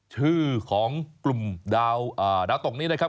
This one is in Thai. ชื่อของกลุ่มดาวตกนี้นะครับ